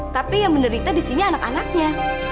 tapi yang menderita di sini anak anaknya